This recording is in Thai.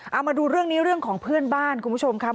เอามาดูเรื่องนี้เรื่องของเพื่อนบ้านคุณผู้ชมครับ